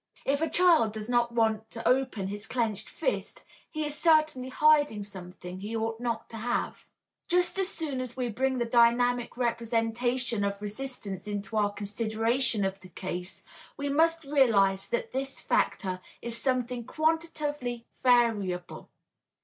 If a child does not want to open his clenched fist, he is certainly hiding something he ought not to have. Just as soon as we bring the dynamic representation of resistance into our consideration of the case, we must realize that this factor is something quantitatively variable.